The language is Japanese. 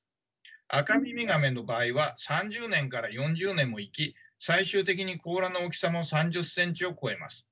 アカミミガメの場合は３０年から４０年も生き最終的に甲羅の大きさも３０ｃｍを超えます。